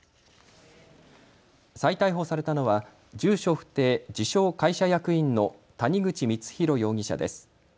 再逮捕されたのは住所不定、自称・会社役員の谷口光弘容疑者です。